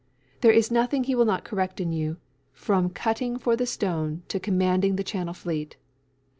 There is nothing he will not correct you in from cutting for the stone to commanding the Channel Fleet.